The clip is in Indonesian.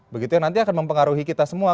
begitu yang nanti akan mempengaruhi kita semua